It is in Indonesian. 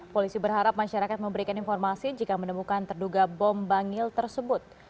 polisi berharap masyarakat memberikan informasi jika menemukan terduga bom bangil tersebut